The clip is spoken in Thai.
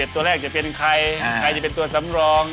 ตัวแรกจะเป็นใครใครจะเป็นตัวสำรอง